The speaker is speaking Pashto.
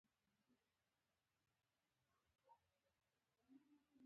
زړه مې یو بل فکر وکړ یو نامعلوم قوت راکې پیدا شو.